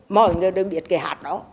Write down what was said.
mọi người đều biết cái hạt đó